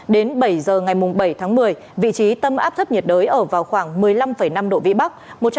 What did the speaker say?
đến bảy giờ ngày bảy tháng một mươi vị trí tâm áp thấp nhiệt đới ở vào khoảng một mươi năm năm độ vĩ bắc